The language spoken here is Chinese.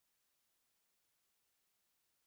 永雏塔菲